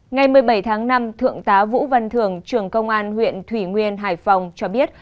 ngày một mươi bảy tháng năm thượng tá vũ văn thường trưởng công an huyện thủy nguyên hải phòng cho biết